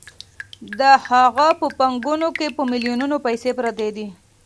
د هغه په بانکونو کې په میلیونونو پیسې پرتې دي